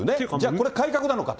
これ改革なのかと。